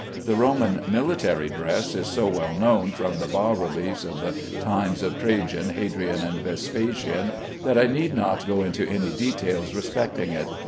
The Roman military dress is so well known from the bas reliefs of the times of Trajan, Hadrian, and Vespasian, that I need not go into any details respecting it.